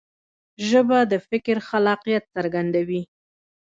ژبه د فکر خلاقیت څرګندوي.